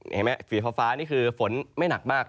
เห็นไหมสีฟ้านี่คือฝนไม่หนักมาก